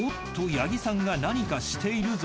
八木さんが何かしているぞ。